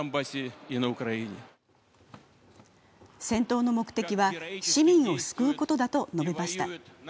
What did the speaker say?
戦闘の目的は市民を救うことだと述べました。